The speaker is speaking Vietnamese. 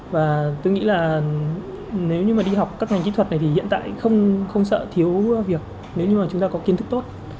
và tôi nghĩ là nếu như đi học các ngành kỹ thuật này thì hiện tại không sợ thiếu việc nếu như chúng ta có kiên thức tốt